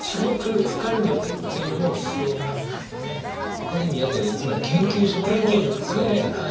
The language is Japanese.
アカデミアってつまり研究職にも就かれていたから。